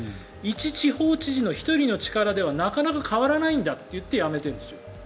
一地方知事の１人の力ではなかなか変わらないんだって言ってやめているんですよ。